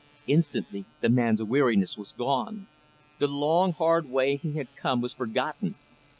Instantly the man's weariness was gone. The long, hard way he had come was forgotten.